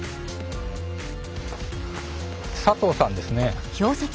佐藤さんですね。